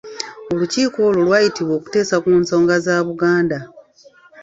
Olukiiko olwo lwayitibwa okuteesa ku nsonga za Buganda.